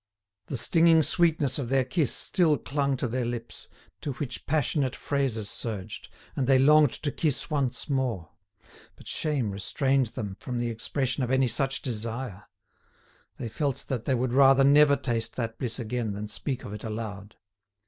The stinging sweetness of their kiss still clung to their lips, to which passionate phrases surged, and they longed to kiss once more. But shame restrained them from the expression of any such desire. They felt that they would rather never taste that bliss again than speak of it aloud.